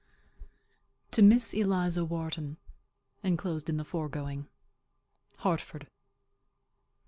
TO MISS ELIZA WHARTON. [Enclosed in the foregoing.] HARTFORD.